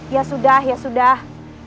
ya sudah ya sudah